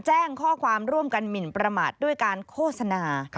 แจ้งข้อความร่วมกันหมินประมาทด้วยการโฆษณา